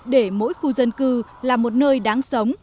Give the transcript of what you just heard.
để mỗi khu dân cư là một nơi đáng sống